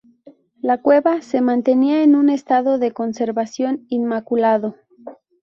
La cueva se mantenía en un estado de conservación inmaculado.